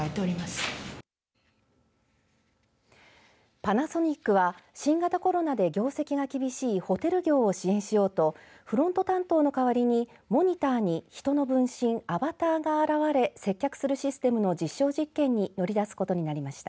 パナソニックは新型コロナで業績が厳しいホテル業を支援しようとフロント担当の代わりにモニターに人の分身アバターが現れ接客するシステムの実証実験に乗り出すことになりました。